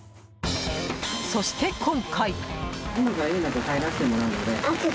そして、今回。